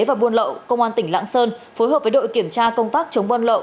và buôn lậu công an tỉnh lạng sơn phối hợp với đội kiểm tra công tác chống buôn lậu